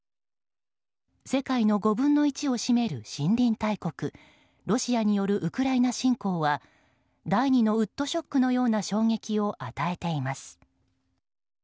世界の５分の１を占める森林大国ロシアによるウクライナ侵攻は第２のウッドショックのような衝撃を与えています。